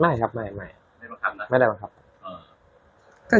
ไม่ใช่ว่าเมียบังคับไหม